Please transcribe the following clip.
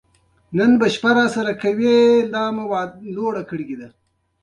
بورا هم پر ګلو کېني.